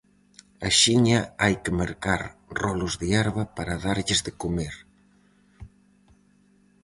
Axiña hai que mercar rolos de herba para darlles de comer.